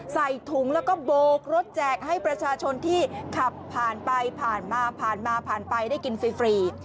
ใส่ถุงแล้วก็โบกรถแจกให้ประชาชนที่ขับผ่านไปผ่านมาผ่านมาผ่านไปได้กินฟรี